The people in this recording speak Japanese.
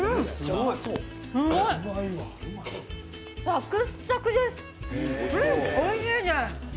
サクッサクです、おいしいです。